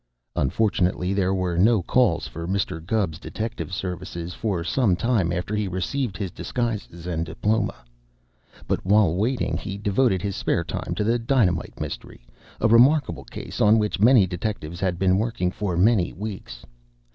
Unfortunately there were no calls for Mr. Gubb's detective services for some time after he received his disguises and diploma, but while waiting he devoted his spare time to the dynamite mystery, a remarkable case on which many detectives had been working for many weeks.